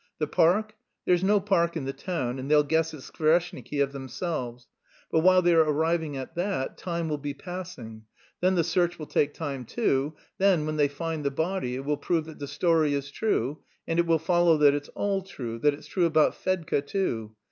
The park? There's no park in the town and they'll guess its Skvoreshniki of themselves. But while they are arriving at that, time will be passing; then the search will take time too; then when they find the body it will prove that the story is true, and it will follow that's it all true, that it's true about Fedka too.